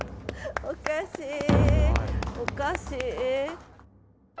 おかしいおかしい。